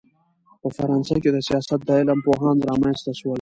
په فرانسه کښي دسیاست د علم پوهان رامنځ ته سول.